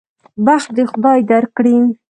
بخت دې خدای درکړي.